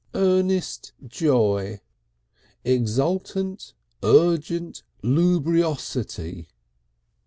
"Earnest Joy." "Exultant, Urgent Loogoobuosity."